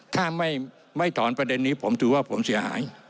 ถ้าไม่ถอนประเด็นนี้ผมถือว่าผมเสียหาย